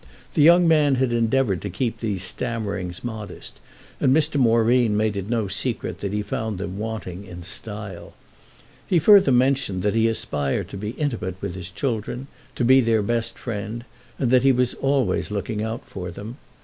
The young man had endeavoured to keep these stammerings modest, and Mr. Moreen made it no secret that he found them wanting in "style." He further mentioned that he aspired to be intimate with his children, to be their best friend, and that he was always looking out for them.